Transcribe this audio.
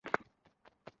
মাফ করবেন স্যার।